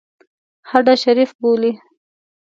هډه شریف بولي.